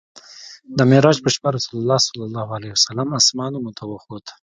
د معراج په شپه رسول الله اسمانونو ته وخوت.